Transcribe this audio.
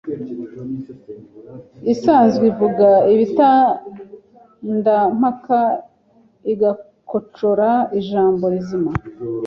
isanzwe ivuga ibitandampaka igakocora ijambo rizima